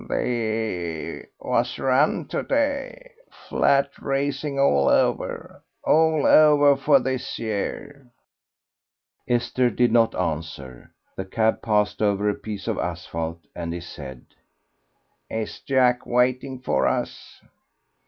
"The was run to day. Flat racing all over, all over for this year." Esther did not answer. The cab passed over a piece of asphalte, and he said "Is Jack waiting for us?"